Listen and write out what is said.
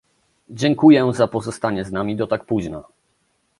Dziękuję za pozostanie z nami do tak późna